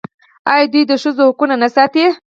آیا دوی د ښځو حقوق نه ساتي؟